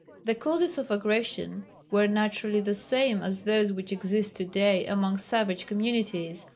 The causes of aggression were naturally the same as those which exist to day among savage communities.